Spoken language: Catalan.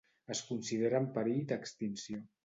Es considera en perill d'extinció.